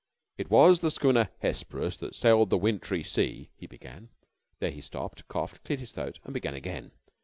"It was the schooner Hesperus that sailed the wintry sea," he began. Here he stopped, coughed, cleared his throat, and began again.